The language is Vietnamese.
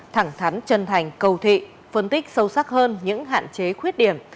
thẳng thắn chân thành cầu thị phân tích sâu sắc hơn những hạn chế khuyết điểm